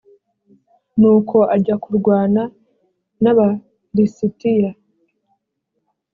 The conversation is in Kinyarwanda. nuko ajya kurwana n aba lisitiya